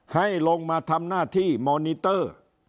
ให้ลงมาทำหน้าที่มอนิเตอร์